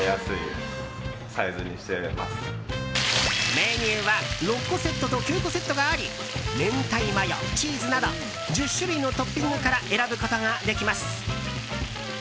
メニューは６個セットと９個セットがありめんたいマヨ、チーズなど１０種類のトッピングから選ぶことができます。